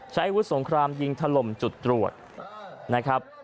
ใช้อาวุธสงครามยิงถล่มจุดตรวจนะครับ